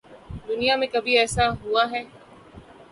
دنیا میں کبھی ایسا ہو اہے؟